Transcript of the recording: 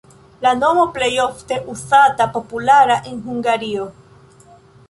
La nomo plej ofte uzata, populara en Hungario.